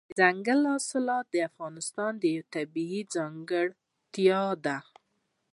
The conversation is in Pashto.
دځنګل حاصلات د افغانستان یوه طبیعي ځانګړتیا ده.